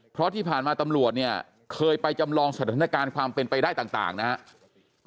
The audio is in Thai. เพราะที่ผ่านมาตำรวจเนี่ยเคยไปจำลองสถานการณ์ความเป็นไปได้ต่างนะครับ